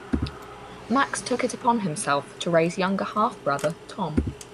Max took it upon himself to raise younger half brother Tom.